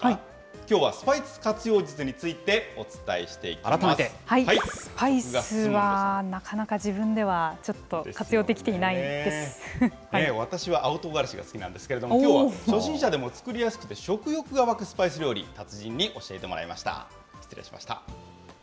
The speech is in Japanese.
きょうはスパイス活用術について、スパイスはなかなか自分では私は青とうがらしが好きなんですけど、きょうは初心者でも作りやすくて、食欲が湧くスパイス料理、達人に教えてもらいました、失礼しました。